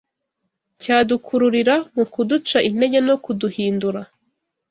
cyadukururira mu kuduca intege no kuduhindura